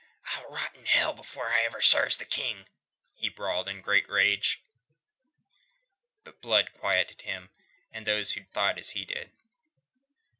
"I'll rot in hell or ever I serves the King," he bawled in a great rage. But Blood quieted him and those who thought as he did.